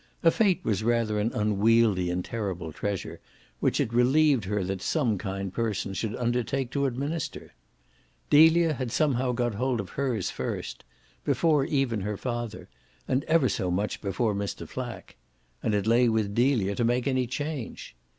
A fate was rather an unwieldy and terrible treasure, which it relieved her that some kind person should undertake to administer. Delia had somehow got hold of hers first before even her father, and ever so much before Mr. Flack; and it lay with Delia to make any change.